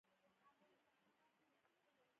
زړه خبرې خاموشي غواړي، خو اورېدل یې ضروري دي.